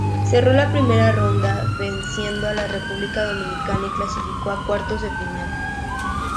Cerró la primera ronda venciendo a República Dominicana y clasificó a Cuartos de final.